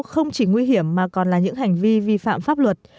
không chỉ nguy hiểm mà còn là những hành vi vi phạm pháp luật